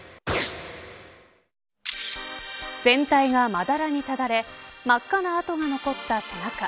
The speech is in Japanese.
全体が、まだらにただれ真っ赤な痕が残った背中。